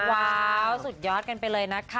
ว้าวสุดยอดกันไปเลยนะคะ